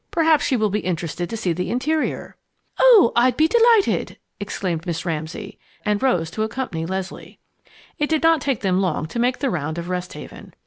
Perhaps she will be interested to see the interior." "Oh, I'll be delighted!" exclaimed Miss Ramsay, and rose to accompany Leslie. It did not take them long to make the round of Rest Haven.